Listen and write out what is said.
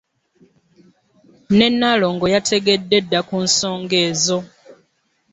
Ne Naalongo yategedde dda ku nsonga ezo.